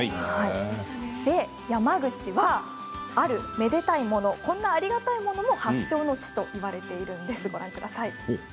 山口は、あるめでたいものありがたいものの発祥の地といわれています。